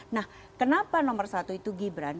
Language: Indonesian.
nah kenapa nomor satu itu gibran